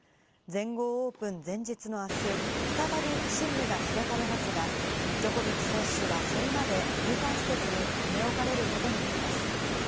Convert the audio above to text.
全豪オープン前日のあす、再び審理が開かれますが、ジョコビッチ選手はそれまで、入管施設に留め置かれることになります。